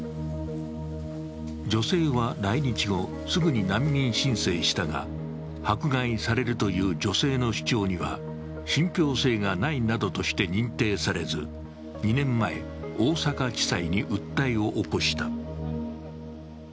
女性は来日後すぐに難民申請したが迫害されるという女性の主張には信ぴょう性がないなどとして認定されず２年前、大阪地裁に訴えを起こした。